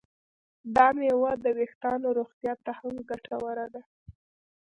دا میوه د ویښتانو روغتیا ته هم ګټوره ده.